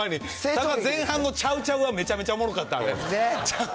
ただ前半のちゃうちゃうはめちゃめちゃおもろかった、あれ。